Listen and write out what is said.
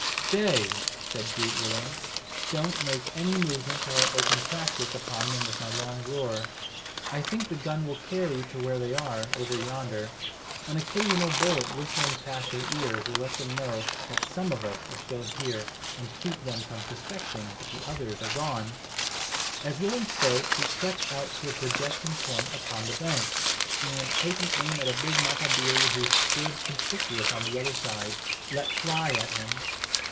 "Stay," said Groot Willem. "Don't make any movement till I open practice upon them with my long roer. I think the gun will carry to where they are, over yonder. An occasional bullet whistling past their ears will let them know that some of us are still here, and keep them from suspecting that the others are gone." As Willem spoke, he crept out to a projecting point upon the bank, and, taking aim at a big Matabili who stood conspicuous on the other side, let fly at him.